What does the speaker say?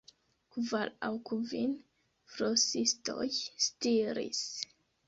Kvar aŭ kvin flosistoj stiris.